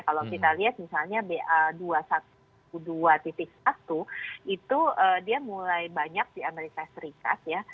kalau kita lihat misalnya ba dua ratus dua belas satu itu dia mulai banyak di amerika serikat ya